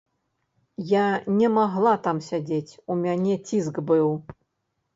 Я не магла там сядзець, у мяне ціск быў!